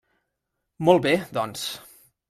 Molt bé, doncs.